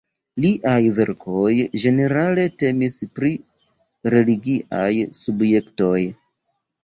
Liaj verkoj ĝenerale temis pri religiaj subjektoj.